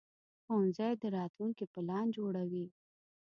ښوونځی د راتلونکي پلان جوړوي